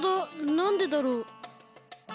なんでだろう？